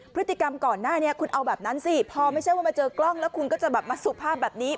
พฤติกรรมก่อนหน้านี้คุณเอาแบบนั้นสิพอไม่ใช่ว่ามาเจอกล้องแล้วคุณก็จะแบบมาสุภาพแบบนี้